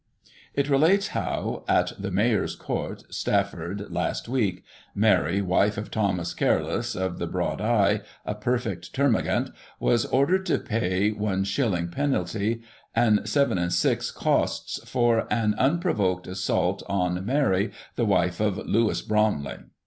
It relates how, "at the Mayor's Court, Stafford, last week, Mary, wife of Thomas Careless, of the Broad Eye, a perfect termagant, was ordered to pay i/ penalty, and 7/6 costs, for an un provoked assault on Mary, the wife of Lewis Bromley.